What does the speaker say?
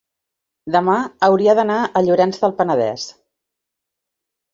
demà hauria d'anar a Llorenç del Penedès.